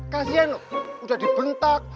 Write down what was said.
kasian loh udah dibentak